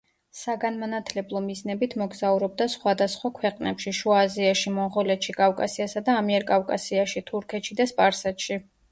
საგანმანათლებლო მიზნებით მოგზაურობდა სხვადასხვა ქვეყნებში: შუა აზიაში, მონღოლეთში, კავკასიასა და ამიერკავკასიაში, თურქეთში და სპარსეთში.